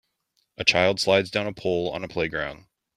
A child slides down a pole on a playground.